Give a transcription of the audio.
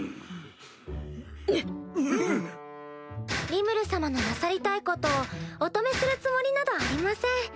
リムル様のなさりたいことをお止めするつもりなどありません。